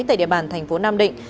tại địa bàn thành phố nam định